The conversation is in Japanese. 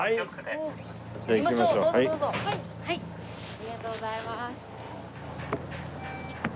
ありがとうございます。